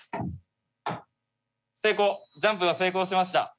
成功ジャンプは成功しました。